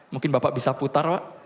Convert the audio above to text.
mungkin bapak bisa putar pak